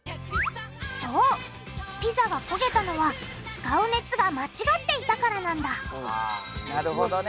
そうピザが焦げたのは使う熱が間違っていたからなんだなるほどね。